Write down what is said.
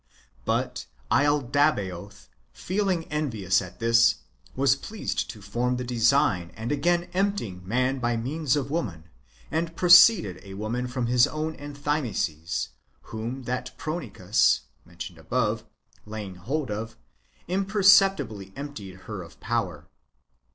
But laldabaoth, feeling envious at this, was pleased to form the design of again emptying man by means of woman, and produced a woman from his own enthymesis, whom that Prunicus [above mentioned] laying hold of, imperceptibly emptied her of power.